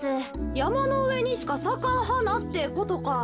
やまのうえにしかさかんはなってことか。